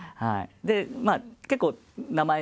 で結構名前